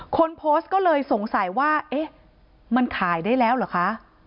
คนโพสต์ก็เลยสงสัยว่าเอ๊ะมันขายได้แล้วเหรอคะ